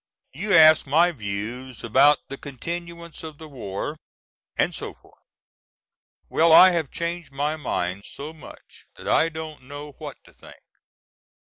You ask my views about the continuance of the war, and so forth. Well I have changed my mind so much that I don't know what to think.